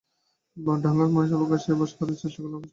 ডাঙার মানুষ হয়ে আকাশে বাস করবার চেষ্টা করলে আকাশবিহারী দেবতার সয় না।